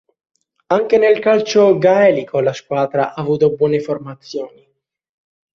Anche nel calcio gaelico la squadra ha avuto buone formazioni.